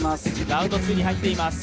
ラウンド２に入っています。